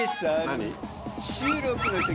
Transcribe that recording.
何？